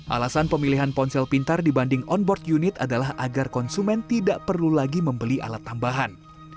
alasan pemilihan ponsel pintar dibanding on board unit adalah agar konsumen tidak perlu lagi membeli alat tambahan